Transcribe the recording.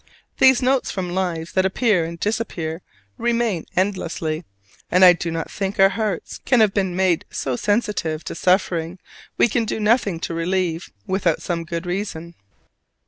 These notes from lives that appear and disappear remain endlessly; and I do not think our hearts can have been made so sensitive to suffering we can do nothing to relieve, without some good reason.